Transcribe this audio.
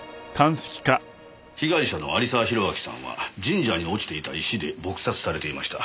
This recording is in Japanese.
被害者の有沢広明さんは神社に落ちていた石で撲殺されていました。